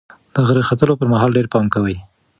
د غره ختلو پر مهال ډېر پام کوئ.